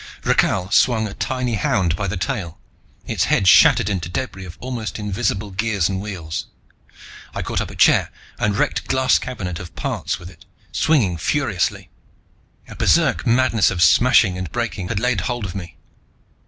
Rakhal swung a tiny hound by the tail. Its head shattered into debris of almost invisible gears and wheels. I caught up a chair and wrecked a glass cabinet of parts with it, swinging furiously. A berserk madness of smashing and breaking had laid hold on me.